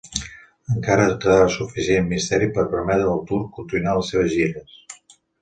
Encara quedava suficient misteri per permetre al Turc continuar les seves gires.